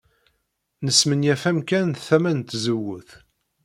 Nesmenyaf amkan tama n tzewwut.